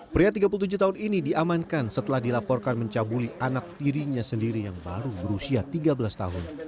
pria tiga puluh tujuh tahun ini diamankan setelah dilaporkan mencabuli anak tirinya sendiri yang baru berusia tiga belas tahun